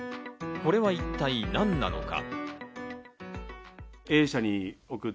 これは一体何なのか？